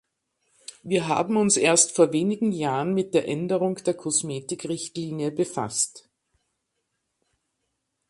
Wir haben uns erst vor wenigen Jahren mit der Änderung der Kosmetikrichtlinie befasst.